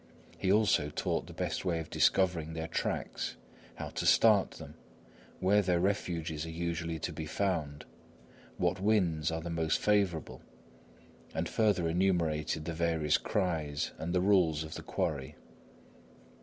He also taught the best way of discovering their tracks, how to start them, where their refuges are usually to be found, what winds are the most favourable, and further enumerated the various cries, and the rules of the quarry.